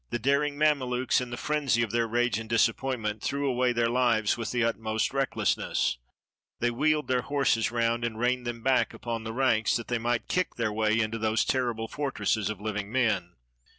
The daring Mamelukes, in the frenzy of their rage and disappointment, threw away their lives with the utmost recklessness. They wheeled their horses round, and reined them back upon the ranks, that they might kick their way into those terrible fortresses of living men.